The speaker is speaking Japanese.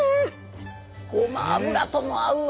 ごま油とも合うわ。